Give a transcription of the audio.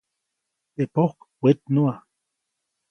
Teʼ pojk wetnuʼa.